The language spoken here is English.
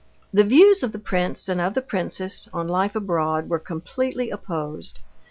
The views of the prince and of the princess on life abroad were completely opposed.